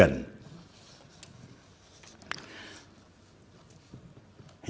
yang mulia majelis hakim pertama